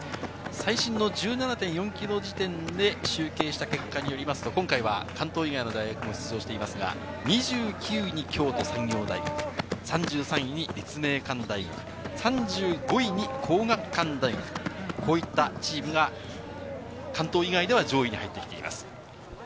最新の１７．４ｋｍ時点で集計した結果によりますと、今回は関東以外の大学も出場していますが、２９位に京都産業大学、３３位に立命館大学、３５位に皇學館大学、こういったチームが関東以外では上位に入ってきています。